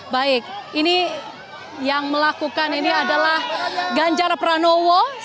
baik ini yang melakukan ini adalah ganjar pranowo